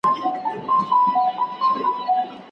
نه په خوله فریاد له سرولمبو لري